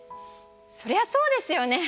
そりゃそうですよね。